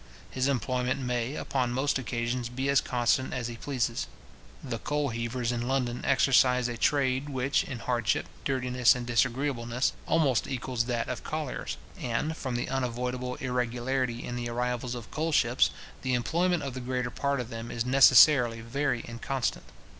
His employment may, upon most occasions, be as constant as he pleases. The coal heavers in London exercise a trade which, in hardship, dirtiness, and disagreeableness, almost equals that of colliers; and, from the unavoidable irregularity in the arrivals of coal ships, the employment of the greater part of them is necessarily very inconstant.